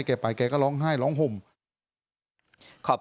คุยกันนะฮะพี่กล้านาโรงเจ้าของร้านนะฮะนอกจากนี้ครับทีมข่าวของเราตามต่อ